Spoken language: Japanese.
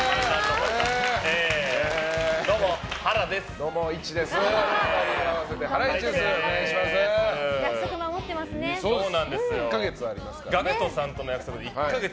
どうも、ハラです。